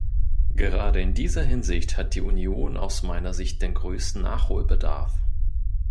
Gerade in dieser Hinsicht hat die Union aus meiner Sicht den größten Nachholbedarf.